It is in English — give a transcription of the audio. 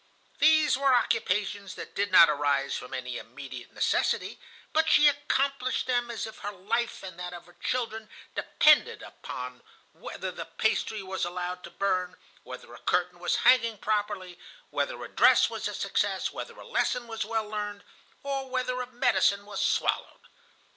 These were occupations that did not arise from any immediate necessity, but she accomplished them as if her life and that of her children depended on whether the pastry was allowed to burn, whether a curtain was hanging properly, whether a dress was a success, whether a lesson was well learned, or whether a medicine was swallowed.